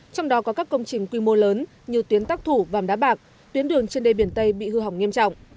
trong đó có các công trình quy mô lớn như tuyến tác thủ vàm đá bạc tuyến đường trên đê biển tây bị hư hỏng nghiêm trọng